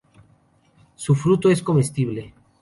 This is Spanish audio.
Su fruto es comestible.